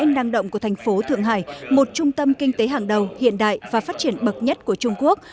năng động của thành phố thượng hải một trung tâm kinh tế hàng đầu hiện đại và phát triển bậc nhất của trung quốc